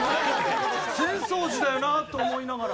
浅草寺だよなと思いながら。